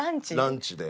ランチで。